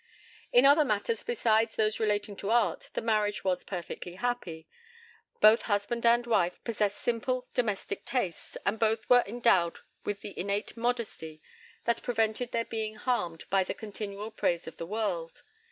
In other matters besides those relating to art, the marriage was perfectly happy. Both husband and wife possessed simple domestic tastes, and both were endowed with the innate modesty that prevented their being harmed by the continual praise of the world.